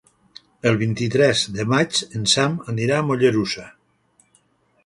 El vint-i-tres de maig en Sam anirà a Mollerussa.